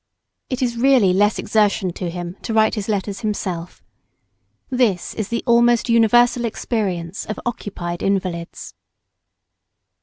It is really less exertion to him to write his letters himself. This is the almost universal experience of occupied invalids.